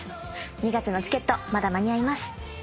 ２月のチケットまだ間に合います。